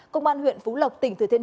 công an huyện phú lộc tỉnh thừa thịnh